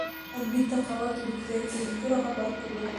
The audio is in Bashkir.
Әлбиттә, ҡала кибеттәре фурнитураға бай түгел.